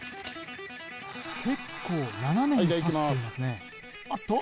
結構斜めにさしていますねあっと